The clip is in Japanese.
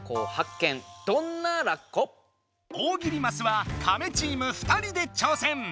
大喜利マスはカメチーム２人で挑戦！